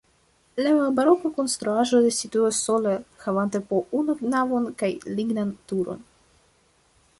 La baroka konstruaĵo situas sola havanta po unu navon kaj lignan turon.